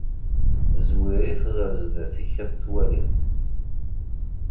Zwir-it ɣer zdat-k ad t-twalliḍ.